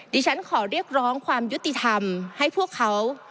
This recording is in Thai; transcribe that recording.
ดิฉันขอเรียกร้องความยุติธรรมให้พวกเขา